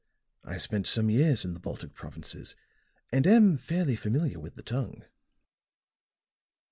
I spent some years in the Baltic provinces, and am fairly familiar with the tongue."